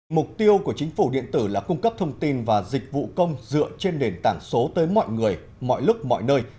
mục tiêu của chính phủ điện tử là cung cấp thông tin và dịch vụ công dựa trên nền tảng số tới mọi người mọi lúc mọi nơi